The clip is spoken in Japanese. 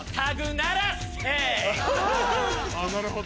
なるほど。